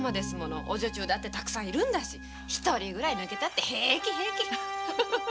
御女中だって大勢いるんだし一人ぐらい抜けたって平気平気。